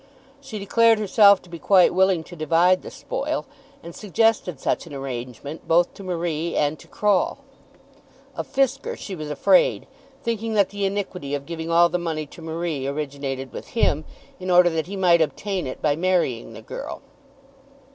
She declared herself to be quite willing to divide the spoil, and suggested such an arrangement both to Marie and to Croll. Of Fisker she was afraid, thinking that the iniquity of giving all the money to Marie originated with him, in order that he might obtain it by marrying the girl.